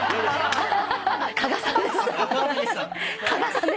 鹿賀さんです。